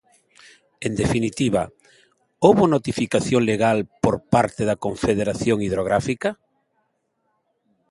En definitiva, ¿houbo notificación legal por parte da Confederación Hidrográfica?